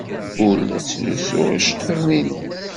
Ur la ttlusuɣ iceḍḍiḍen-inu.